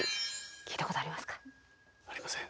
聞いたことありますか？